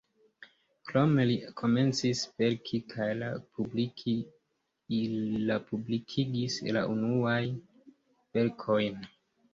Krome li komencis verki kaj la publikigis la unuajn verkojn.